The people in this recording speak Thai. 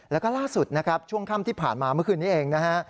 แล้วก็ล่าสุดนะครับช่วงค่ำที่ผ่านมาเมื่อคืนนี้เองนะฮะ